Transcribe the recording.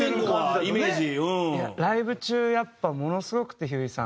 ライブ中やっぱものすごくてひゅーいさん。